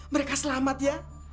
mereka selamat ya